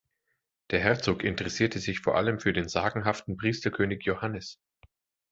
Der Herzog interessierte sich vor allem für den sagenhaften Priesterkönig Johannes.